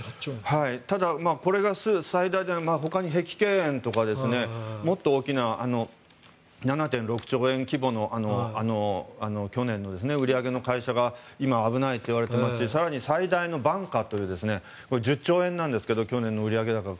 ただ、これがほかに碧桂園とかもっと大きな７．６兆円規模の去年、売り上げの会社が今、危ないといわれていますし最大のバンカーという１０兆円なんですが去年の売上高が。